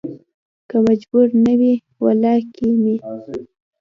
که مجبور نه وى ولا کې مې